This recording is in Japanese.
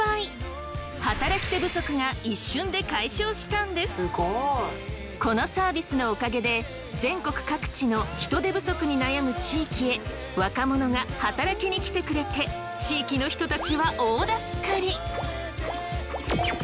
なんとこのサービスのおかげで全国各地の人手不足に悩む地域へ若者が働きに来てくれて地域の人たちは大助かり！